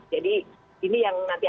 jadi ini yang nanti